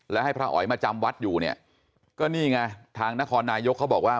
และให้พระอ๋อยมาจำวัดอยู่เนี่ยก็นี่ไงทางนครนายกเขาบอกว่า